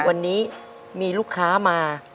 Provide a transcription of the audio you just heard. วันนี้มีลูกค้ามา